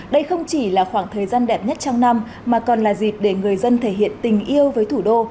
đây không chỉ là khoảng thời gian đẹp nhất trong năm mà còn là dịp để người dân thể hiện tình yêu với thủ đô